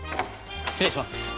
失礼します。